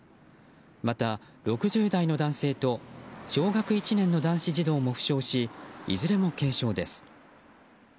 また６０代の男性と小学１年の男子児童も負傷しいずれも軽傷です。